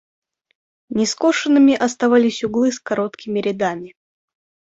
Нескошенными оставались углы с короткими рядами.